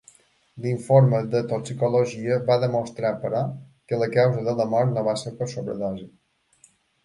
L'informe de toxicologia va demostrar, però, que la causa de la mort no va ser per sobredosi.